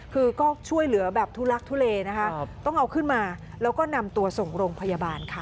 คือก็ช่วยเหลือแบบทุลักทุเลนะคะต้องเอาขึ้นมาแล้วก็นำตัวส่งโรงพยาบาลค่ะ